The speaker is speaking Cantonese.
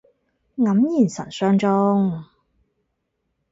黯然神傷中